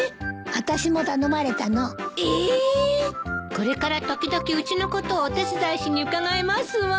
これから時々うちのことをお手伝いしに伺いますわ。